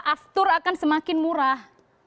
aftur akan semakin murah